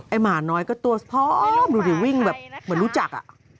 หมาน้อยก็ตัวพร้อมดูดิวิ่งแบบเหมือนรู้จักอ่ะ